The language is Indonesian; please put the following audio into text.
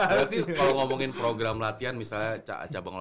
berarti kalau ngomongin program latihan misalnya